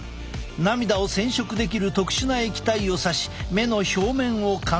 涙を染色できる特殊な液体をさし目の表面を観察する。